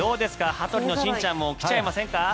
羽鳥のしんちゃんも来ちゃいませんか？